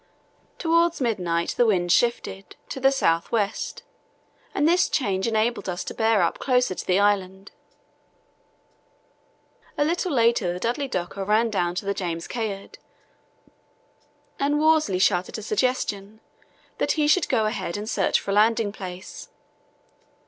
Towards midnight the wind shifted to the south west, and this change enabled us to bear up closer to the island. A little later the Dudley Docker ran down to the James Caird, and Worsley shouted a suggestion that he should go ahead and search for a landing place.